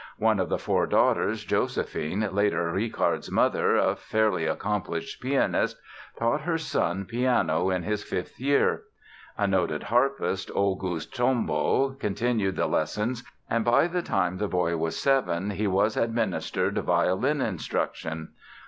One of the four daughters, Josephine, later Richard's mother, a fairly accomplished pianist, taught her son piano in his fifth year. A noted harpist, August Tombo, continued the lessons and by the time the boy was seven he was administered violin instruction.